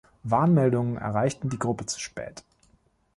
Warnmeldungen erreichten die Gruppe zu spät.